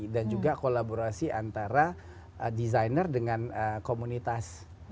dan juga kolaborasi antara desainer dengan komunitas